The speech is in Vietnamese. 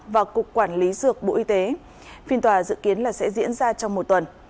và cục quản lý dược bộ y tế phiên tòa dự kiến là sẽ diễn ra trong một tuần